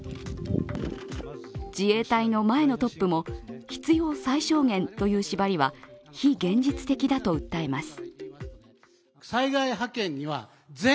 自衛隊の前のトップも必要最小限という縛りは非現実的だと訴えます。